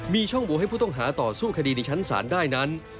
มีช่องโหวตให้ผู้ต้องหาต่อสู้คดีในชั้นศาลได้นั้น